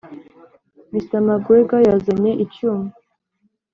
mr. mcgregor yazanye icyuma